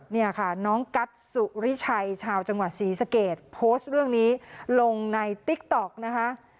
เนี่ยค่ะน้องกัสสุริชัยชาวจังหวัดศรีสเกตโพสต์เรื่องนี้ลงในติ๊กต๊อกนะคะ